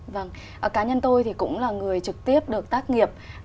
vâng cá nhân tôi thì cũng là người trực tiếp được tác nghiệp